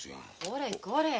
これこれ。